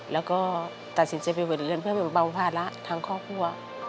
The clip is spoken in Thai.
แล้วก็ตัดสินใจไปเปิดเรียนเพื่อแบ่งเบาภาระทั้งครอบครัว